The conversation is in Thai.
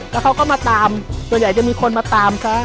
แล้วเขาก็มาตามส่วนใหญ่จะมีคนมาตามเขา